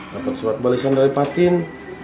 dapat surat balisan dari fatin